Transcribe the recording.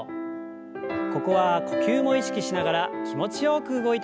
ここは呼吸も意識しながら気持ちよく動いてください。